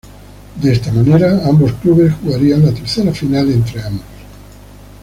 De esta manera ambos clubes jugarían la tercera final entre ambos.